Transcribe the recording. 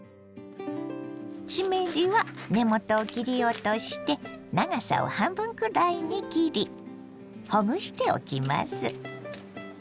しめじは根元を切り落として長さを半分くらいに切りほぐしておきます。